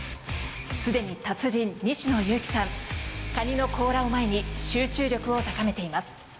すでに達人、西野有希さん、カニの甲羅を前に集中力を高めています。